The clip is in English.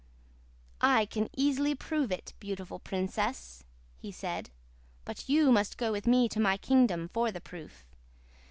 "'I can easily prove it, beautiful princess,' he said, 'but you must go with me to my kingdom for the proof.